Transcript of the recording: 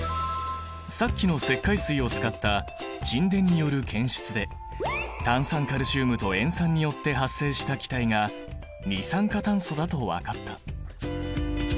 さっきの石灰水を使った沈殿による検出で炭酸カルシウムと塩酸によって発生した気体が二酸化炭素だと分かった。